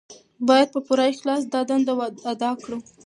باید په پوره اخلاص دا دنده ادا کړو.